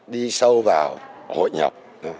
đi sâu vào hội nhập